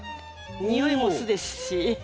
匂いも酢ですし。